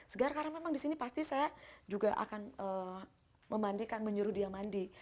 segar karena memang di sini pasti saya juga akan memandikan menyuruh dia mandi